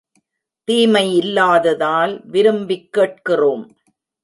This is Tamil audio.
தீமை இல்லாததால் விரும்பிக் கேட்கிறோம்.